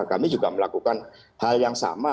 kami juga melakukan hal yang sama